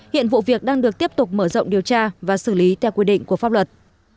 hiện vụ việc đang được tiếp tục mở rộng điều tra và xử lý theo quy định của pháp luật